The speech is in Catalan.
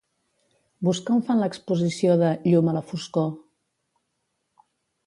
Busca on fan l'exposició de "Llum a la foscor".